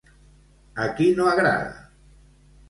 A qui no agrada?